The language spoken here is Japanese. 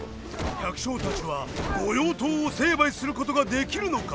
百姓たちは御用盗を成敗することができるのか？